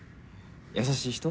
優しい人？